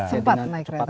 sempat naik kereta